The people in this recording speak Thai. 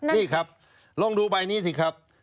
นี่ครับลองดูใบนี้สิครับ